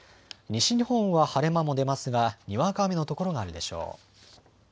西日本は晴れ間も出ますがにわか雨の所があるでしょう。